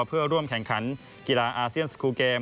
เพื่อร่วมแข่งขันกีฬาอาเซียนสกูลเกม